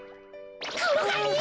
ころがり！